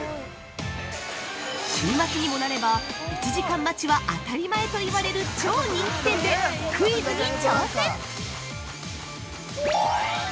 週末にもなれば１時間待ちは当たり前といわれる超人気店でクイズに挑戦！